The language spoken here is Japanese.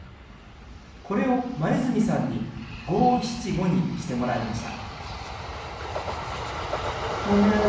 これを、黛さんに５・７・５にしてもらいました。